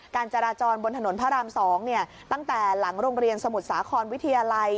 การจราจรบนถนนพระราม๒ตั้งแต่หลังโรงเรียนสมุทรสาครวิทยาลัย